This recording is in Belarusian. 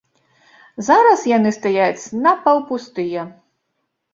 Зараз яны стаяць напаўпустыя.